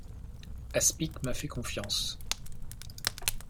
Aspic m’a fait confiance.